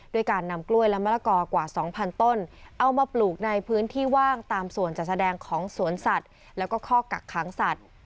ด้วยการนำกล้วยและมะละกอกว่า๒๐๐ต้นเอามาปลูกในพื้นที่ว่างตามส่วนจัดแสดงของสวนสัตว์แล้วก็ข้อกักขังสัตว์